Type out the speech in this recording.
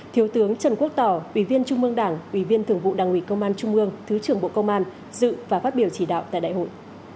thiếu tướng trần quốc tỏ ủy viên trung mương đảng ủy viên thường vụ đảng ủy công an trung ương thứ trưởng bộ công an dự và phát biểu chỉ đạo tại đại hội